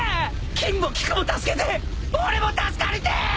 錦も菊も助けて俺も助かりてえ！